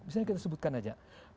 misalnya kita sebutkan aja